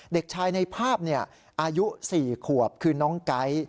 เด็กชายในภาพอายุ๔ขวบคือน้องไก๊